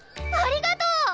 ありがとう！